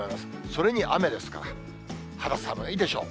それに雨ですから、肌寒いでしょう。